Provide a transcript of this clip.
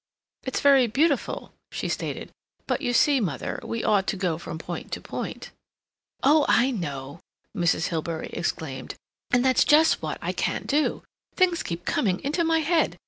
"It's very beautiful," she stated, "but, you see, mother, we ought to go from point to point—" "Oh, I know," Mrs. Hilbery exclaimed. "And that's just what I can't do. Things keep coming into my head.